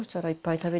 食べる。